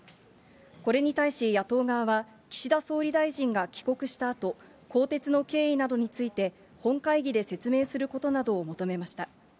これに対し、野党側は、岸田総理大臣が帰国したあと、更迭の経緯などについて、本会議で説明することなどを求めました。